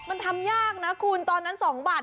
มันทำยากนะคุณตอนนั้น๒บาท